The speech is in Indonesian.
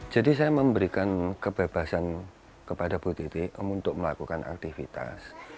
jadi saya memberikan kebebasan kepada bu titi untuk melakukan aktivitas